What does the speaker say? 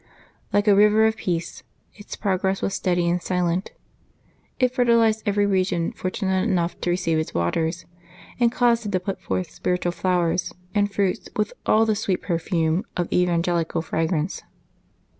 Like a river of peace, its prog ress was steady and silent ; it fertilized every region fortu nate enough to receive its waters, and caused it to put forth spiritual flowers and fruits with all the sweet per fume of evangelical fragrance.